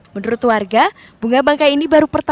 menurut warga bunga bangkai ini baru pertama